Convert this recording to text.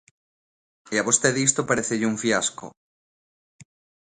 E a vostede isto parécelle un fiasco.